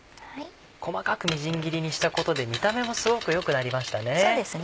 細かくみじん切りにしたことで見た目もすごく良くなりましたね。